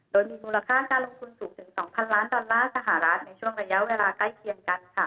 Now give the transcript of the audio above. โดยมีมูลค่าการลงทุนสูงถึง๒๐๐ล้านดอลลาร์สหรัฐในช่วงระยะเวลาใกล้เคียงกันค่ะ